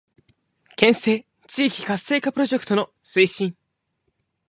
県西地域活性化プロジェクトの推進